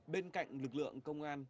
bên cạnh lực lượng công an